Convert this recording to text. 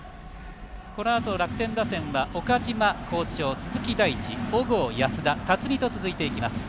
このあと楽天打線は岡島、好調鈴木大地、小郷、安田辰己と続いていきます。